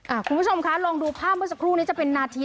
คุณผู้ชมคะลองดูภาพเมื่อสักครู่นี้จะเป็นนาที